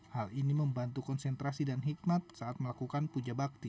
hal ini membantu konsentrasi dan hikmat saat melakukan puja bakti